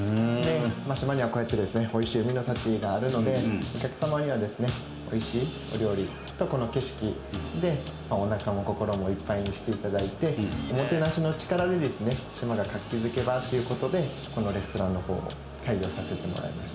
島にはこうやっておいしい海の幸があるのでお客様にはおいしいお料理と景色でおなかも心もいっぱいにしていただいておもてなしの力で島が活気づけばということでこのレストランのほうを開業させてもらいました。